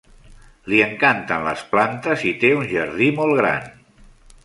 Li encanten les plantes i té un jardí molt gran.